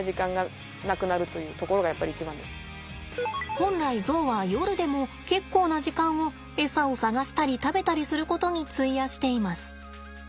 本来ゾウは夜でも結構な時間をエサを探したり食べたりすることに費やしています。